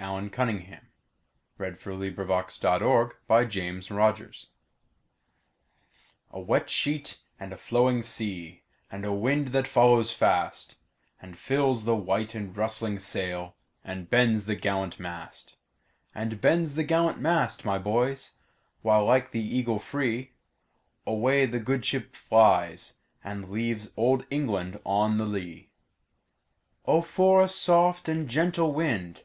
Allan Cunningham CCV. "A wet sheet and a flowing sea" A WET sheet and a flowing sea,A wind that follows fastAnd fills the white and rustling sailAnd bends the gallant mast; And bends the gallant mast, my boys, While like the eagle freeAway the good ship flies, and leavesOld England on the lee."O for a soft and gentle wind!"